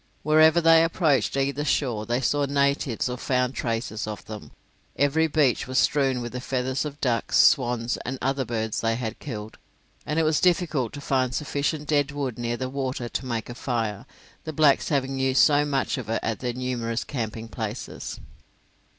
Wherever they approached either shore, they saw natives or found traces of them. Every beach was strewn with the feathers of the ducks, swans, and other birds they had killed, and it was difficult to find sufficient dead wood near the water to make a fire, the blacks having used so much of it at their numerous camping places.